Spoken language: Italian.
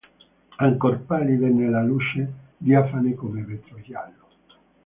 Ancor pallide nella luce, diafane come vetro giallo.